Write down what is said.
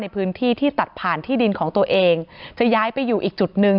พื้นที่ที่ตัดผ่านที่ดินของตัวเองจะย้ายไปอยู่อีกจุดหนึ่ง